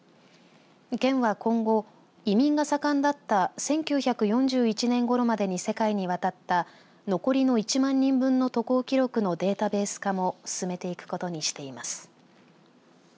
県は今後、移民が盛んだった１９４１年ごろまでに世界に渡った残りの１万人分の渡航記録のデータベース化も進めていくことにしています。